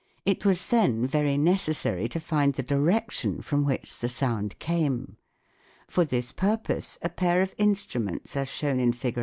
It was then very necessary to find the direction from which the sound came. For this purpose a pair of instruments as shown in Fig.